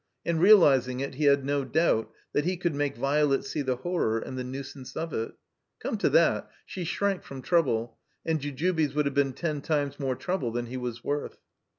And realizing it, 191 THE COMBINED MAZE he had no doubt that he covld make Violet see the horror and the nuisance of it. Come to that, she shrank from trouble, and Jujubes would have been ten times more trouble than he was worth.